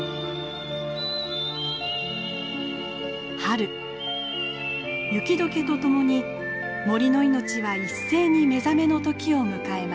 春雪解けと共に森の命は一斉に目覚めの時を迎えます。